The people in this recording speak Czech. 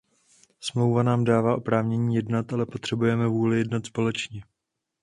Smlouva nám dává oprávnění jednat, ale potřebujeme vůli jednat společně.